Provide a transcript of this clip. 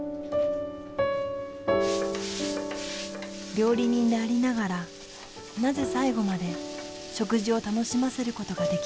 料理人でありながらなぜ最期まで食事を楽しませることができなかったのか。